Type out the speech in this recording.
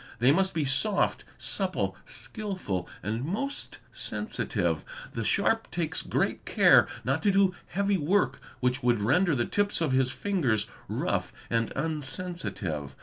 ' They must be soft, supple, skilful, and most sensitive. The sharp takes id great care not to do heavy work which would render the tips of his _ fingers rough and unsensitive.